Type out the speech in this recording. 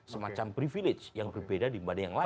semacam privilege yang berbeda dibanding yang lain